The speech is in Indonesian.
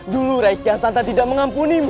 dulu raih study tidak mengampunimu